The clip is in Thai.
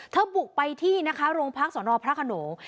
เธอบุกไปที่โรงพลักษณ์สนพระขนง